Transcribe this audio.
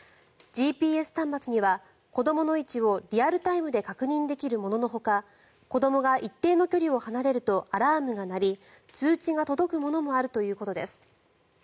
ＧＰＳ端末には子どもの位置をリアルタイムで確認できるもののほか子どもが一定の距離を離れるとアラームが鳴り通知が届くものもあるということです。